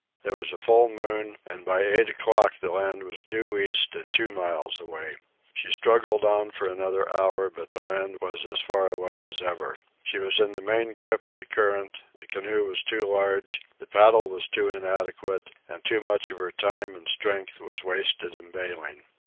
There was a full moon, and by eight o'clock the land was due east and two miles away. She struggled on for another hour, but the land was as far away as ever. She was in the main grip of the current; the canoe was too large; the paddle was too inadequate; and too much of her time and strength was wasted in bailing.